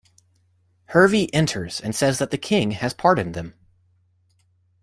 Hervey enters and says that the king has pardoned them.